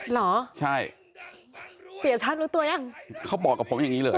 หรอใช่เปียร์ชาติรู้ตัวหรือยังเขาบอกกับผมอย่างนี้เลย